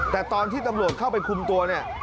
แต่ตอนที่ตำรวจเข้าไปคุมตัวเนี่ย